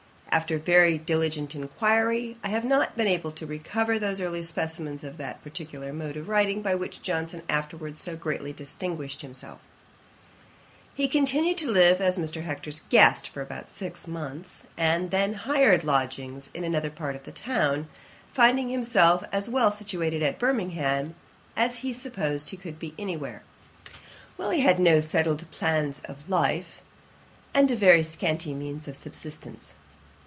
After very diligent inquiry, I have not been able to recover those early specimens of that particular mode of writing by which Johnson afterwards so greatly distinguished himself. [Page 86: Lobo's Voyage to Abyssinia. A.D. 1733.] He continued to live as Mr. Hector's guest for about six months, and then hired lodgings in another part of the town, finding himself as well situated at Birmingham as he supposed he could be any where, while he had no settled plan of life, and very scanty means of subsistence.